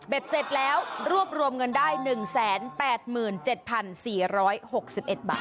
เสร็จแล้วรวบรวมเงินได้๑๘๗๔๖๑บาท